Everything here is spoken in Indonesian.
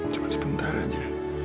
cuma sebentar saja